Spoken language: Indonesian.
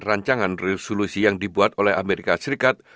rancangan resolusi yang dibuat oleh amerika serikat